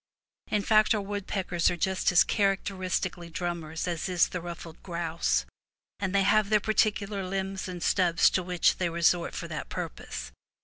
In fact, our woodpeckers are just as characteris tically drummers as is the ruffled grouse, and they have their particular limbs and stubs to which they resort for that purpose.